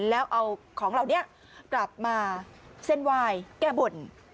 แล้วเอาของเหล่านี้กลับมาเส้นไหว้แก้บน